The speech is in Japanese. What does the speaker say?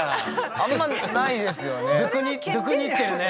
あんまないですよね。